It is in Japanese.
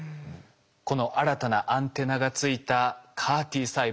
この新たなアンテナがついたＣＡＲ−Ｔ細胞